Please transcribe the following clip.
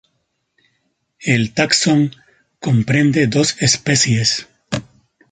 El taxón comprende dos especies.